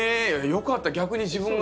よかった逆に自分があの。